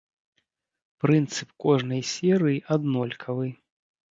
Прынцып кожнай серыі аднолькавы.